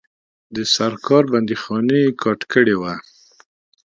د سرکار بندیخانې یې کاټ کړي وه.